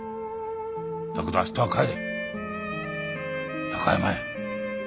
だけど明日は帰れ高山へ。